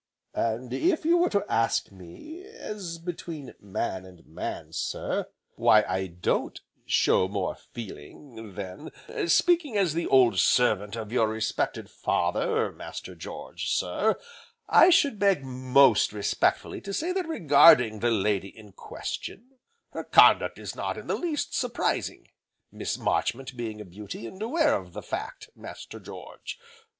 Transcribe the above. "And if you were to ask me, as between man and man sir, why I don't show more feeling, then, speaking as the old servant of your respected father, Master George, sir, I should beg most respectfully to say that regarding the lady in question, her conduct is not in the least surprising, Miss Marchmont being a beauty, and aware of the fact, Master George.